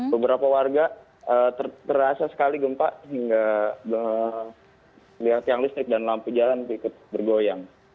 beberapa warga terasa sekali gempa hingga lihat tiang listrik dan lampu jalan ikut bergoyang